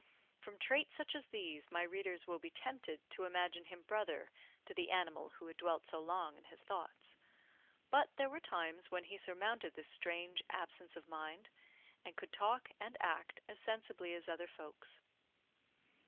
From traits such as these my readers will be tempted to imagine him brother to the animal who had dwelt so long in his thoughts; but there were times when he surmounted this strange absence of mind, and could talk and act as sensibly as other folks.